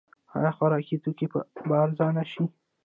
آیا خوراکي توکي به ارزانه شي؟